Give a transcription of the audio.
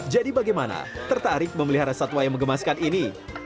jadi bagaimana tertarik memelihara satwa yang mengemaskan ini